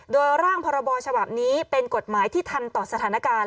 โดยร่างพรบฉบับนี้เป็นกฎหมายที่ทันต่อสถานการณ์